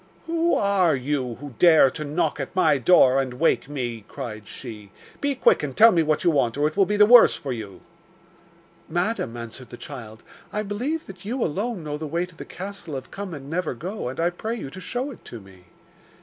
'Who are you who dare to knock at my door and wake me?' cried she. 'Be quick and tell me what you want, or it will be the worse for you.' 'Madam,' answered the child, 'I believe that you alone know the way to the castle of Come and never go, and I pray you to show it to me.